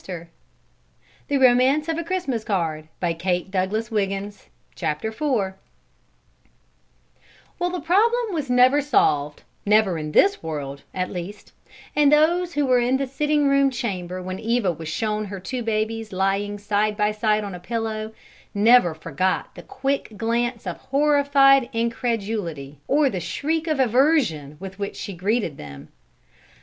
If the problem can be solved, the child will do it." IV Well, the problem never was solved, never in this world, at least; and those who were in the sitting room chamber when Eva was shown her two babies lying side by side on a pillow, never forgot the quick glance of horrified incredulity, or the shriek of aversion with which she greeted them.